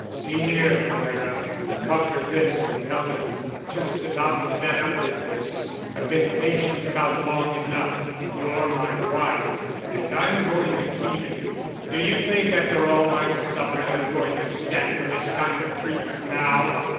See here, Moira," he caught her wrists and held her, "I'm just about fed up with this. I've been patient about long enough. You're my wife. And I'm going to keep you. Do you think after all I've suffered I'm going to stand for this kind of treatment now?"